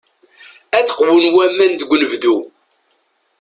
Ad qwun waman deg unebdu.